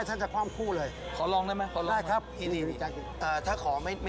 ไปหนึ่งสัปดาห์คุณต้องมาอธิษฐานุปูปใหม่